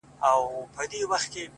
کلونه پس چي درته راغلمه؛ ته هغه وې خو؛؛